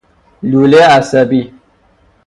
لوله عصبی